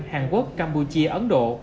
hàn quốc campuchia ấn độ